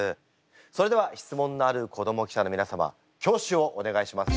それでは質問のある子ども記者の皆様挙手をお願いします。